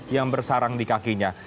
yang bersarang di kakinya